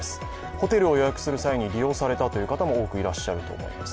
ホテルを予約する際に利用されたという方も多くいらっしゃると思います。